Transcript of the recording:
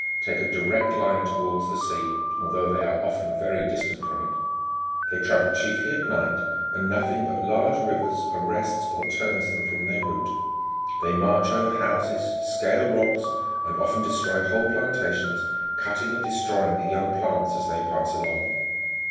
take a direct line towards the sea, although they are often very distant from it. They travel chiefly at night, and nothing but large rivers arrests or turns them from their route ; they march over houses, scale rocks, and often destroy whole plantations, cutting and destroying the young plants as they pass along.